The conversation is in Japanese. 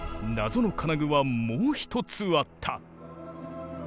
謎の金具はもう一つあった。